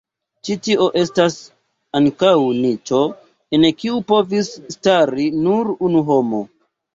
Ĉi tie estas ankaŭ niĉo, en kiu povis stari nur unu homo.